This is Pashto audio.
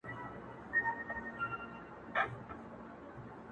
• یا دي شل کلونه اچوم زندان ته -